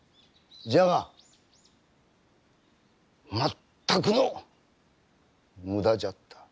じゃが全くの無駄じゃった。